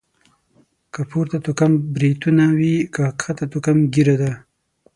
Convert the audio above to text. که پورته توکم بريتونه دي.، که کښته توکم ږيره ده.